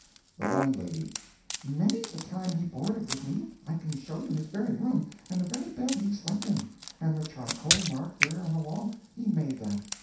THE LANDLADY: "Many's the time he boarded with me. I can show you his very room, and the very bed he slept in. And the charcoal mark there on the wall—he made that.